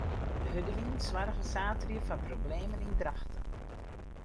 De hurde wyn soarge saterdei foar problemen yn Drachten.